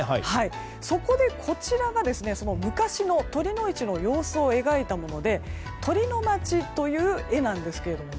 そこで、こちらがその昔の酉の市の様子を描いたもので「酉のまち」という絵です。